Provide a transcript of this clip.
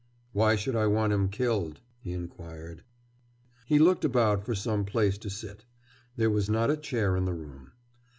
"Why should I want him killed?" he inquired. He looked about for some place to sit. There was not a chair in the room.